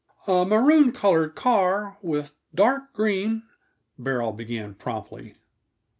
"A maroon colored car, with dark green " Beryl began promptly.